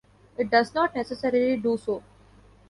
It does not necessarily do so.